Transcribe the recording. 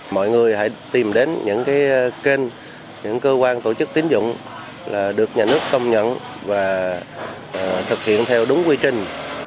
mọi người hãy tìm đến những cơ quan tổ chức tín dụng được nhà nước công nhận và thực hiện theo đúng quy trình